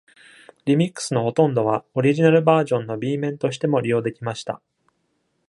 リミックスのほとんどは、オリジナルバージョンの B 面としても利用できました。